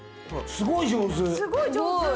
すごい上手。